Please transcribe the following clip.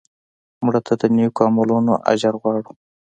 مړه ته د نیکو عملونو اجر غواړو